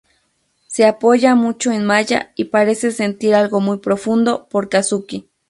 Se apoya mucho en Maya y parece sentir algo muy profundo por Kazuki.